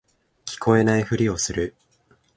聞こえないふりをする